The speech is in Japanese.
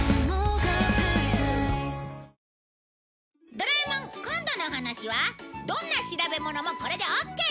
『ドラえもん』今度のお話はどんな調べ物もこれでオッケー